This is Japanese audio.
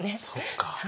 そうか。